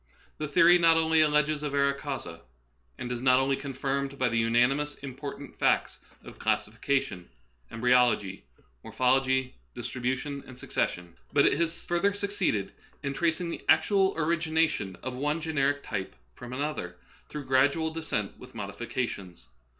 The theory not only alleges a vera causa, and is not only confirmed by the unanimous import of the facts of classification, embry©logy, morphology, distribution, and succes sion ; but it has further succeeded in tracing the actual origination of one generic type from an other, through gradual " descent with modifica tions."